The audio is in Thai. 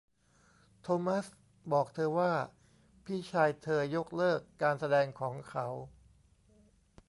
โทมัสบอกเธอว่าพี่ชายเธอยกเลิกการแสดงของเขา